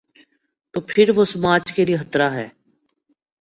تو پھر وہ سماج کے لیے خطرہ ہے۔